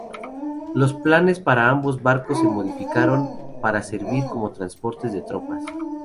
Los planes para ambos barcos se modificaron para servir como transportes de tropas.